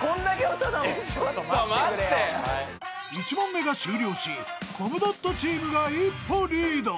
［１問目が終了しコムドットチームが一歩リード］